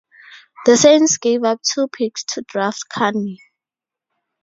The Saints gave up two picks to draft Karney.